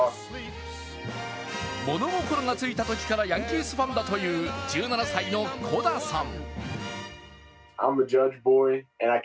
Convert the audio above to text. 物心がついたときからヤンキースファンだという１７歳のコダさん。